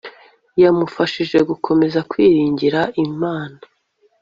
yamufashije gukomeza kwiringira imana